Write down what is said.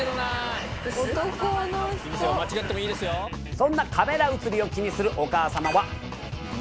そんなカメラ映りを気にする。